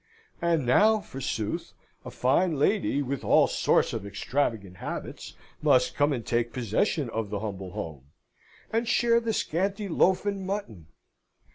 And now, forsooth, a fine lady, with all sorts of extravagant habits, must come and take possession of the humble home, and share the scanty loaf and mutton!